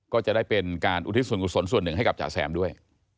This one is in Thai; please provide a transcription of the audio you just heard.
ก็จะได้เป็นการอุทิศส่วนกุศลส่วนหนึ่งให้กับจ๋าแซมด้วย